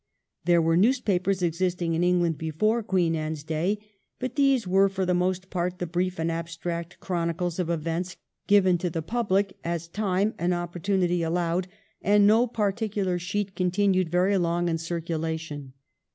There were newspapers existing in England before Queen Anne's day, but these were for the most part the brief and abstract chronicles of events given to the public as time and opportunity allowed, and no particular sheet continued very long in circulation.